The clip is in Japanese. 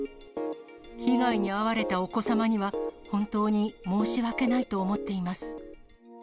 被害に遭われたお子様には、本当に申し訳ないと思っています。